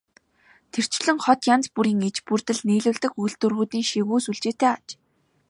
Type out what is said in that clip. Тэрчлэн хот янз бүрийн иж бүрдэл нийлүүлдэг үйлдвэрүүдийн шигүү сүлжээтэй аж.